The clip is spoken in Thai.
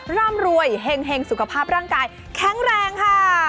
ร่ำรวยเฮ็งสุขภาพร่างกายแข็งแรงค่ะ